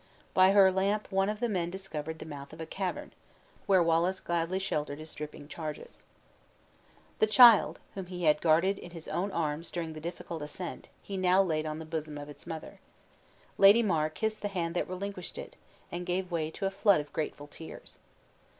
By her lamp one of the men discovered the mouth of a cavern, where Wallace gladly sheltered his dripping charges. The child, whom he had guarded in his own arms during the difficult ascent, he now laid on the bosom of its mother. Lady mar kissed the hand that relinquished it, and gave way to a flood of grateful tears.